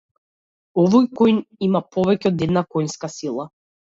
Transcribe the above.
Овој коњ има повеќе од една коњска сила.